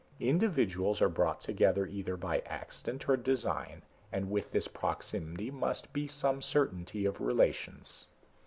Individuals are brought together either by accident or design, and with this proximity must be some certainty of relations...."